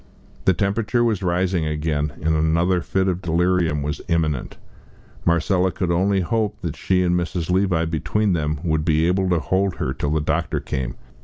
The temperature was rising again, and another fit of delirium was imminent. Marcella could only hope that she and Mrs. Levi between them would be able to hold her till the doctor came.